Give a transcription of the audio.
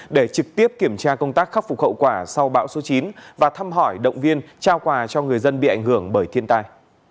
để trực tiếp kiểm tra công tác khắc phục hậu quả sau bão số chín và thăm hỏi động viên trao quà cho người dân bị ảnh hưởng bởi thiên tai